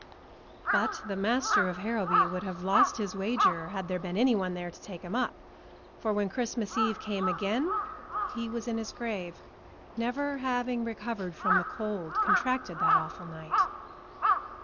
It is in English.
But the master of Harrowby would have lost his wager had there been anyone there to take him up, for when Christmas Eve came again he was in his grave, never having recovered from the cold contracted that awful night.